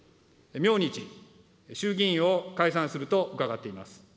明日、衆議院を解散すると伺っています。